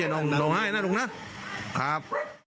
น้องไห้นะลูกหน้าครับ